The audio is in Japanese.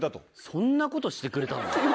そんなことしてくれたの？